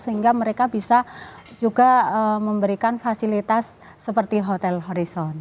sehingga mereka bisa juga memberikan fasilitas seperti hotel horison